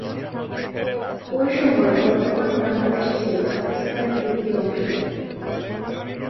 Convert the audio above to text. ওই সময় বর্তমান বাংলাদেশ ছিল পাকিস্তানের একটি অংশ।